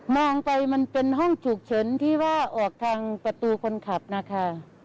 องไปมันเป็นห้องฉุกเฉินที่ว่าออกทางประตูคนขับนะคะ